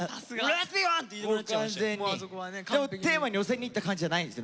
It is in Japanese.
テーマに寄せにいった感じじゃないんですね